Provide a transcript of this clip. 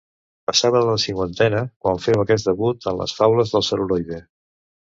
Passava de la cinquantena quan féu aquest debut en les faules de cel·luloide.